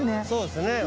そうですね。